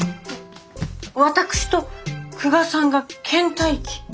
私と久我さんがけん怠期？